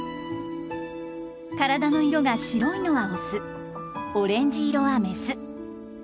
体の色が白いのはオスオレンジ色はメス。